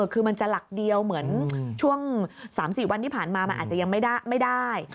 คือมันจะหลักเดียวเหมือนช่วง๓๔วันที่ผ่านมามันอาจจะยังไม่ได้